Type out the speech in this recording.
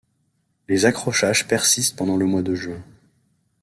Les accrochages persistent pendant le mois de juin.